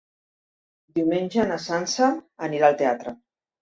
Diumenge na Sança anirà al teatre.